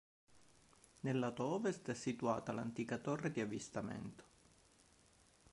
Nel lato ovest è situata l'antica torre di avvistamento.